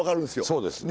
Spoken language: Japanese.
そうです。